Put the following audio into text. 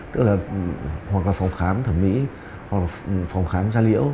tức là hoặc là phòng khám thẩm mỹ hoặc là phòng khám gia liễu